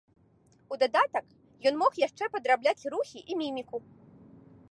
У дадатак ён мог яшчэ падрабляць рухі і міміку.